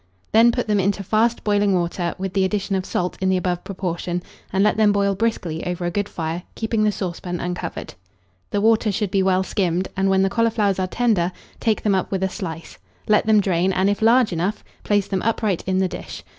Then put them into fast boiling water, with the addition of salt in the above proportion, and let them boil briskly over a good fire, keeping the saucepan uncovered. The water should be well skimmed; and, when the cauliflowers are tender, take them up with a slice; let them drain, and, if large enough, place them upright in the dish.